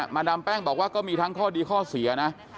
ดามแป้งบอกว่าก็มีทั้งข้อดีข้อเสียนะ